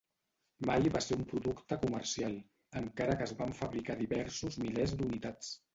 Mai va ser un producte comercial, encara que es van fabricar diversos milers d'unitats.